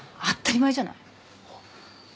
当ったり前じゃない。